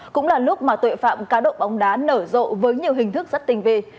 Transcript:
cũng là lúc mà tội phạm cá độ bóng đá nở rộ với nhiều hình thức rất tình vệ